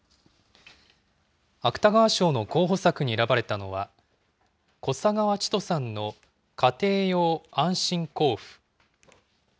芥川賞の候補作に選ばれたのは、小砂川チトさんの家庭用安心坑夫。